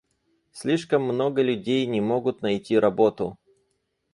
Слишком много людей не могут найти работу.